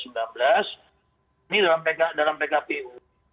ini dalam pkpu